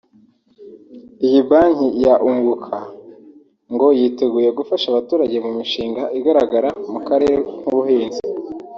Iyi banki ya Unguka ngo yiteguye gufasha abaturage mu mishinga igaragara mu karere nk’ubuhinzi